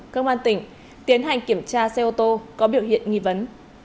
cơ quan tỉnh tiến hành kiểm tra xe ô tô có biểu hiện nghi vấn